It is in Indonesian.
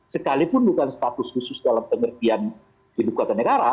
sekalipun bukan status khusus dalam pengertian ibu kota negara